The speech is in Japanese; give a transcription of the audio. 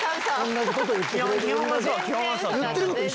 同じこと言ってくれてる。